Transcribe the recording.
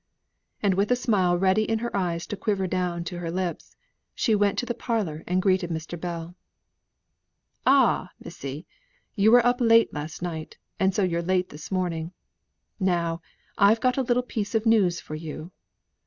And with a smile ready in her eyes to quiver down to her lips, she went into the parlour and greeted Mr. Bell. "Ah, Missy! you were up late last night, and so you're late this morning. Now I've got a little piece of news for you.